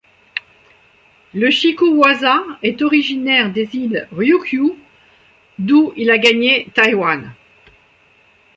Le Shikuwasa est originaire des îles Ryūkyū, d'où il a gagné Taïwan.